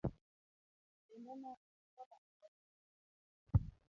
Kendo ne en koda mor mogundho.